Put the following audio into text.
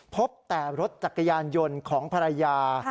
พบแต่รถจักรยานยนต์ของภรรยา